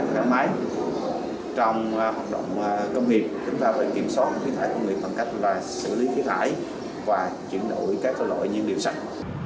và chuyển đổi các loại nhân liệu sạch